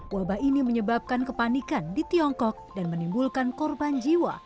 wabah ini menyebabkan kepanikan di tiongkok dan menimbulkan korban jiwa